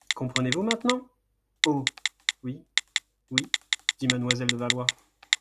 Comprenez-vous maintenant ? Oh ! oui, oui, dit mademoiselle de Valois.